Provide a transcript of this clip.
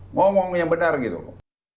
ngomong yang benar gitu